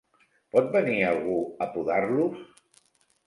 Pot venir algú a podar-los?